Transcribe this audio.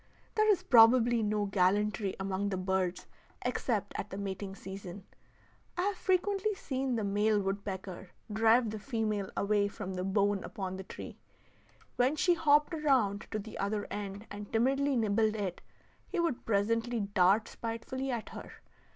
There is probably no gallantry among the birds except at the mating season. I have frequently seen the male woodpecker drive the female away from the bone upon the tree. When she hopped around to the other end and timidly nibbled it, he would presently dart spitefully at her.